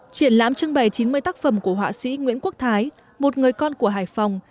triển lãm trưng bày chín mươi tác phẩm của họa sĩ nguyễn quốc thái một người con của hải phòng